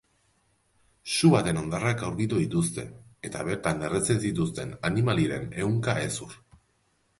Su baten hondarrak aurkitu dituzte eta bertan erretzen zituzten animaliren ehunka hezur.